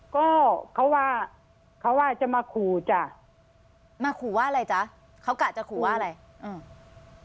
ก็เขาว่าเขาว่าจะมาขู่จ้ะมาขู่ว่าอะไรจ๊ะเขากะจะขู่ว่าอะไรอืม